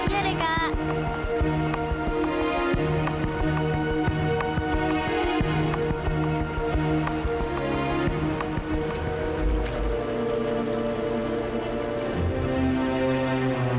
udah deket apa nih